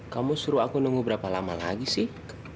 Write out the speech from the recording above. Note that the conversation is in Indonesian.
kamu suruh aku nunggu berapa lama lagi sih